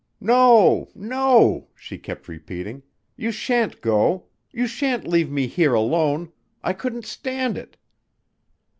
"No, no!" she kept repeating. "You sha'n't go. You sha'n't leave me here alone.... I couldn't stand it."